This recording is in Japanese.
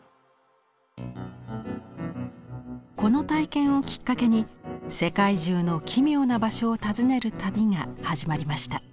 この体験をきっかけに世界中の奇妙な場所を訪ねる旅が始まりました。